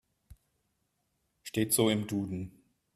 Steht so im Duden.